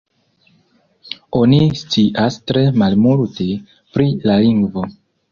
Oni scias tre malmulte pri la lingvo.